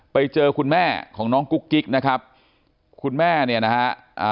ไปเจอคุณแม่ของน้องกุ๊กกิ๊กนะครับคุณแม่เนี่ยนะฮะอ่า